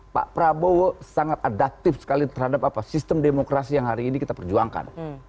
pak prabowo sangat adaptif sekali terhadap sistem demokrasi yang hari ini kita perjuangkan